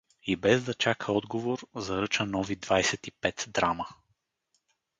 И без да чака отговор, заръча нови двайсет и пет драма.